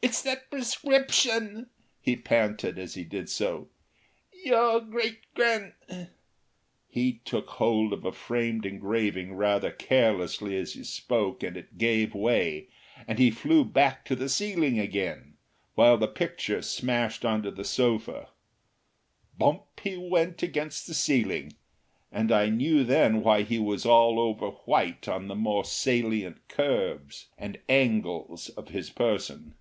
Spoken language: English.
"It's that prescription," he panted, as he did so. "Your great gran " He took hold of a framed engraving rather carelessly as he spoke and it gave way, and he flew back to the ceiling again, while the picture smashed onto the sofa. Bump he went against the ceiling, and I knew then why he was all over white on the more salient curves and angles of his person.